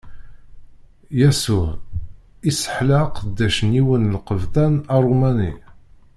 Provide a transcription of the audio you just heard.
Yasuɛ isseḥla aqeddac n yiwen n lqebṭan Aṛumani.